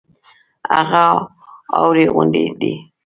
هغه اوارې غونډې دي.